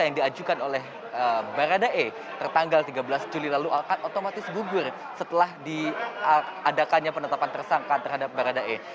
yang diajukan oleh baradae tertanggal tiga belas juli lalu akan otomatis gugur setelah diadakannya penetapan tersangka terhadap baradae